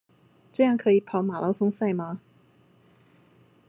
這樣可以跑馬拉松賽嗎？